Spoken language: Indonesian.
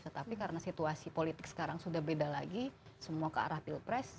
tetapi karena situasi politik sekarang sudah beda lagi semua ke arah pilpres